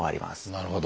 なるほど。